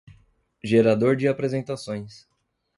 Gerador de apresentações.